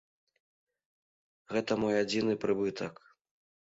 Гэта мой адзіны прыбытак.